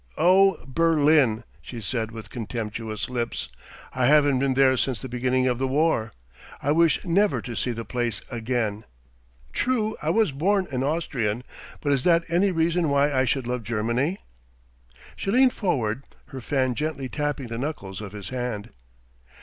"Oh, Berlin!" she said with contemptuous lips. "I haven't been there since the beginning of the war. I wish never to see the place again. True: I was born an Austrian; but is that any reason why I should love Germany?" She leaned forward, her fan gently tapping the knuckles of his hand.